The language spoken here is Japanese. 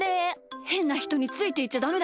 へんなひとについていっちゃダメだよ。